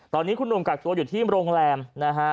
ตอนนี้คุณหนุ่มกักตัวอยู่ที่โรงแรมนะฮะ